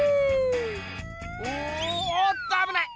おっとあぶない！